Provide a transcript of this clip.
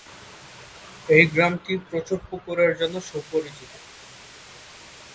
এই গ্রামটি প্রচুর পুকুরের জন্য সুপরিচিত।